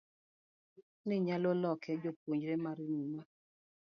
ni nyalo loke japuonjre mar muma